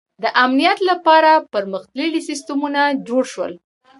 • د امنیت لپاره پرمختللي سیستمونه جوړ شول.